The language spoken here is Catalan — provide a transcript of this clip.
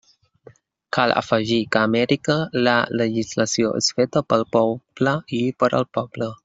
Cal afegir que a Amèrica la legislació és feta pel poble i per al poble.